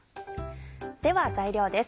では材料です。